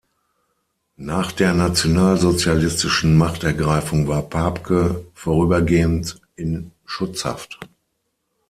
Nach der nationalsozialistischen „Machtergreifung“ war Papke vorübergehend in „Schutzhaft“.